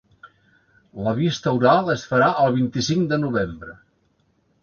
La vista oral es farà el vint-i-cinc de novembre.